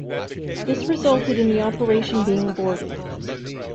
This resulted in the operation being aborted.